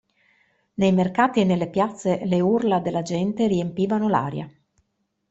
Nei mercati e nelle piazze le urla della gente riempivano l'aria.